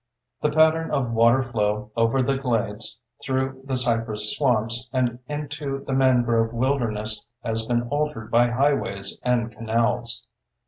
The pattern of waterflow over the glades, through the cypress swamps, and into the mangrove wilderness has been altered by highways and canals.